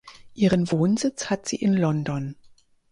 Ihren Wohnsitz hat sie in London.